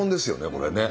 これね。